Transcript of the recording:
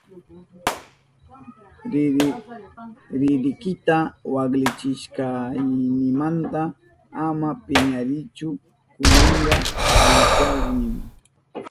Ridikita waklichishkaynimanta ama piñarinkichu, kunanka alichahunimi.